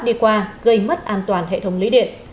đi qua gây mất an toàn hệ thống lưới điện